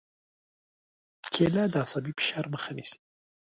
کېله د عصبي فشار مخه نیسي.